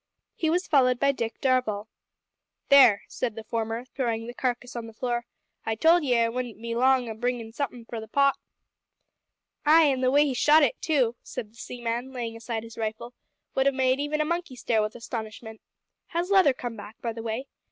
He was followed by Dick Darvall. "There," said the former, throwing the carcass on the floor, "I told ye I wouldn't be long o' bringin' in somethin' for the pot." "Ay, an' the way he shot it too," said the seaman, laying aside his rifle, "would have made even a monkey stare with astonishment. Has Leather come back, by the way?